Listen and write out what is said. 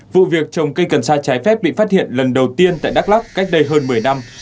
vụ việc trồng cây cần sa trái phép bị phát hiện lần đầu tiên tại đắk lắc cách đây hơn một mươi năm